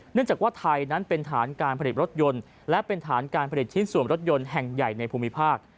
เนื่องจากว่าไทยนั้นเป็นฐานการผลิตรถยนต์และเป็นฐานการผลิตชิ้นส่วนรถยนต์แห่งใหญ่ในภูมิภาค